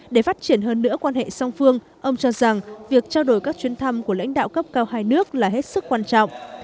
để phát triển hơn nữa quan hệ song phương ông cho rằng việc trao đổi các chuyến thăm của lãnh đạo cấp cao hai nước là hết sức quan trọng